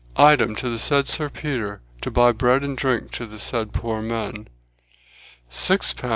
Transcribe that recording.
"Item, to the said Sir Peter, to buy breid and drink to the said puir men vj li.